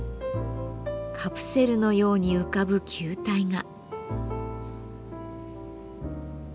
カプセルのように浮かぶ球体が。